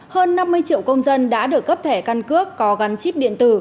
hơn năm mươi triệu công dân đã được cấp thẻ căn cước có gắn chip điện tử